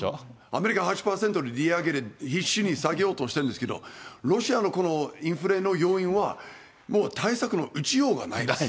アメリカ、８％の利上げで、必死に下げようとしてるんですけれども、ロシアのこのインフレの要因は、もう対策の打ちようがないです。